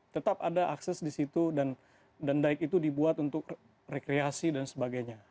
tetap ada akses di situ dan dike itu dibuat untuk rekreasi dan sebagainya